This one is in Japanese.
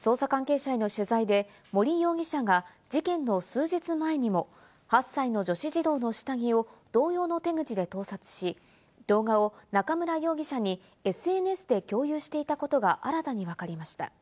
捜査関係者への取材で森容疑者が事件の数日前にも８歳の女子児童の下着を同様の手口で盗撮し、動画を中村容疑者にＳＮＳで共有していたことが新たにわかりました。